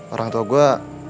orang tua gue